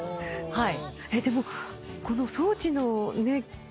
はい。